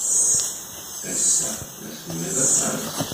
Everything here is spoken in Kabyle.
Ass-a, d asemmiḍ aṭas.